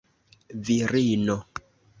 virino